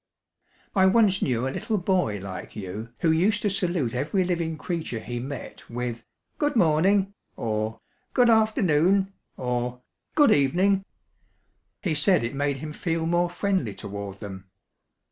"I once knew a little boy like you who used to salute every living creature he met with 'Good morning' or 'Good afternoon' or 'Good evening.' He said it made him feel more friendly toward them.